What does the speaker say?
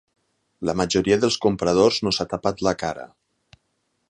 La majoria dels compradors no s'ha tapat la cara.